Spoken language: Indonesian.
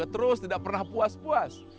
terus tidak pernah puas puas